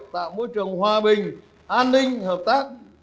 tạo môi trường hòa bình an ninh hợp tác